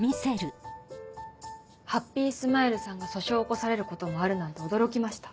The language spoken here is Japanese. ハッピースマイルさんが訴訟を起こされることもあるなんて驚きました。